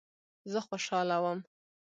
زه خوشاله وم.